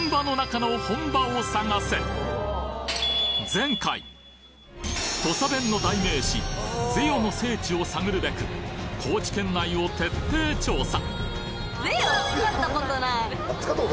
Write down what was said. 前回土佐弁の代名詞「ぜよ」の聖地を探るべく高知県内を徹底調査！